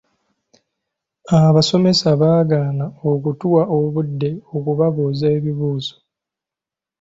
Abasomesa baagaana okutuwa obudde okubabuuza ebibuuzo.